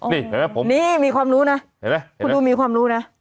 นี่เห็นไหมมีความรู้นะคุณดูมีความรู้นะ